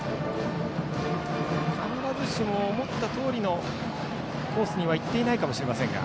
必ずしも思ったとおりのコースにはいっていないかもしれませんが。